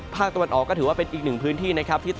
ภาคตะวันออกก็ถือว่าเป็นอีกหนึ่งพื้นที่นะครับ